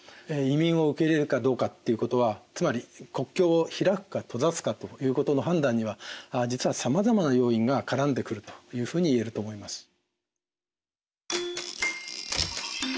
移民を受け入れるかどうかっていうことはつまり国境を開くか閉ざすかということの判断には実はさまざまな要因が絡んでくるというふうに言えると思います。